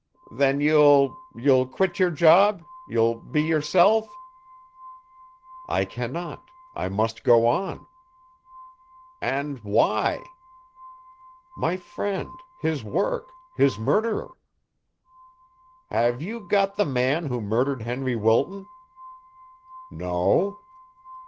"Then you'll you'll quit your job you'll be yourself?" "I can not. I must go on." "And why?" "My friend his work his murderer." "Have you got the man who murdered Henry Wilton?" "No."